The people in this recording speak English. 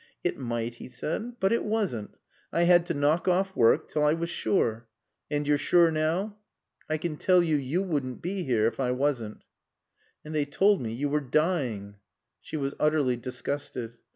"It might," he said, "but it wasn't. I had to knock off work till I was sure." "And you're sure now?" "I can tell you you wouldn't be here if I wasn't." "And they told me you were dying." (She was utterly disgusted.)